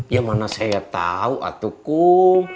ya mana saya tahu atukum